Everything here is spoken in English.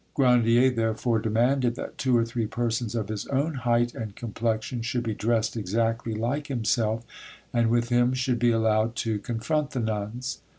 Grandier therefore demanded that two or three persons of his own height and complexion should be dressed exactly like himself, and with him should be allowed to confront the nuns.